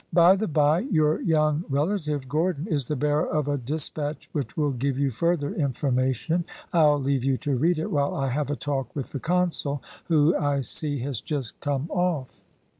By the bye, your young relative Gordon is the bearer of a despatch which will give you further information. I'll leave you to read it while I have a talk with the consul who, I see, has just come off."